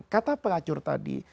kata pelacur tadi